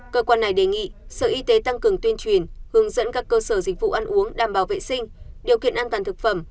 cơ quan này đề nghị sở y tế tăng cường tuyên truyền hướng dẫn các cơ sở dịch vụ ăn uống đảm bảo vệ sinh điều kiện an toàn thực phẩm